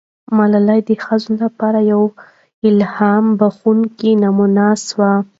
ملالۍ د ښځو لپاره یوه الهام بښونکې نمونه سوه.